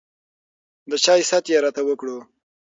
د چاے ست يې راته وکړو